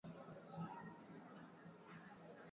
kusini mwa bara la afrika kulikuwa na waimbaji wengi wanawake